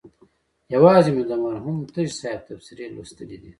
یوازې مې د مرحوم تږي صاحب تبصرې لوستلي دي.